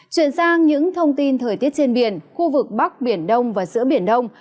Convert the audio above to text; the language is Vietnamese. chuyển sang những thông tin thời tiết trên biển khu vực bắc biển đông và giữa biển đông